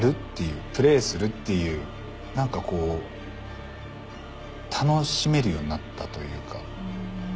何かこう楽しめるようになったというか。